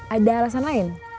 ada alasan lain